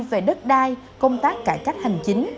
về đất đai công tác cải cách hành chính